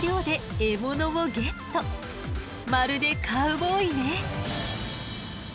まるでカウボーイね。